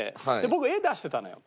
僕絵を出してたのよ。